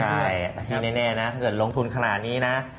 ใช่แต่ที่แน่นะถ้าเกิดลงทุนขนาดนี้นะ